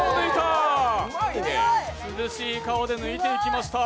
涼しい顔で抜いていきました。